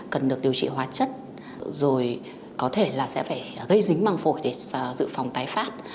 cần được điều trị hóa chất rồi có thể sẽ phải gây dính măng phổi để giữ phòng tái phát